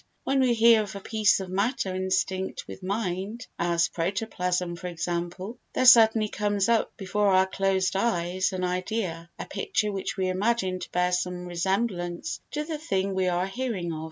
When we hear of a piece of matter instinct with mind, as protoplasm, for example, there certainly comes up before our closed eyes an idea, a picture which we imagine to bear some resemblance to the thing we are hearing of.